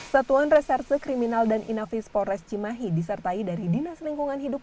satuan reserse kriminal dan inafis polres cimahi disertai dari dinas lingkungan hidup